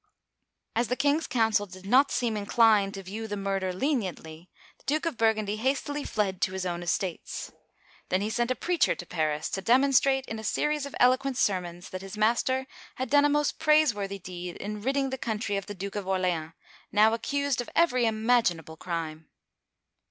As the king's council did not seem inclined to view the murder leniently, the Duke of Burgundy hastily fled to his own estates. Then he sent a preacher to Paris, to demon strate, in a series of eloquent sermons, that his master had done a most praiseworthy deed in ridding the country of the Duke of Orleans, now accused of every imaginable crime.